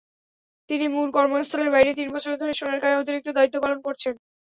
তিনি মূল কর্মস্থলের বাইরে তিন বছর ধরে সোনারগাঁয়ে অতিরিক্ত দায়িত্ব পালন করছেন।